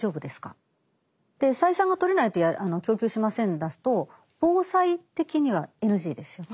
「採算がとれないと供給しません」だと防災的にはＮＧですよね。